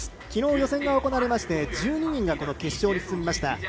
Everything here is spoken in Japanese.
昨日予選が行われまして１２人が決勝に進みました。